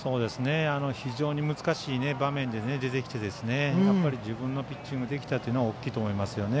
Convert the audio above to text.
非常に難しい場面で出てきてやっぱり自分のピッチングできたのは大きいと思います。